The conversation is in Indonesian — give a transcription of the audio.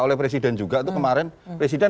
oleh presiden juga itu kemarin presiden